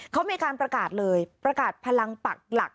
เขามีการประกาศเลยประกาศพลังปักหลัก